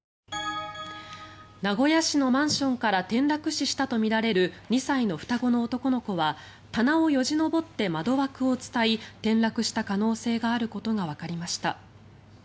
名古屋市のマンションから転落死したとみられる２歳の双子の男の子は棚をよじ登って窓枠を伝い転落した可能性があることがわかりました。